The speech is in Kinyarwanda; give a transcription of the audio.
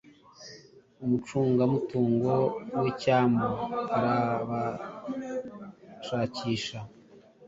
Umucungamutungo wicyambu arabashakisha